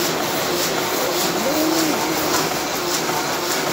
Yella win i yi-d-inulen.